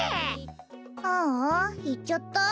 ああいっちゃった。